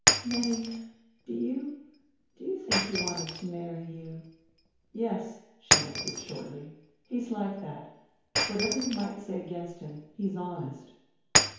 "Nettie, do you do you think he wanted to marry you?" "Yes," she answered shortly. "He's like that. Whatever you might say against him he's honest."